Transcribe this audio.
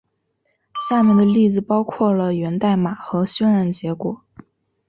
下面的例子包括了源代码和渲染结果。